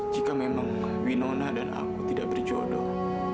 jika memang winona dan aku tidak berjodoh